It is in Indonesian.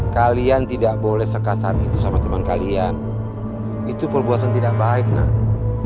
kalian tidak boleh sekasar itu sama teman kalian itu perbuatan tidak baik nak